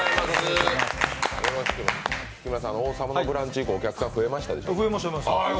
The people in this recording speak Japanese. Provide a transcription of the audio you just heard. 木村さん「王様のブランチ」以降お客さん増えましたでしょうか？